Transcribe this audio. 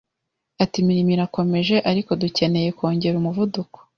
Ati Imirimo irakomeje ariko dukeneye kongera umuvuduko